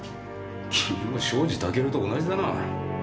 君も庄司タケルと同じだな。は？